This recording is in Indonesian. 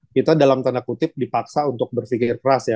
kita dalam tanda kutip dipaksa untuk berpikir keras ya